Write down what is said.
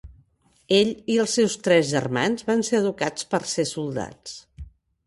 Ell i els seus tres germans van ser educats per ser soldats.